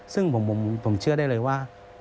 ซึ่งผมเชื่อได้เลยว่า